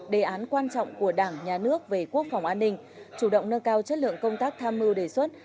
đề án quan trọng của đảng nhà nước về quốc phòng an ninh chủ động nâng cao chất lượng công tác tham mưu đề xuất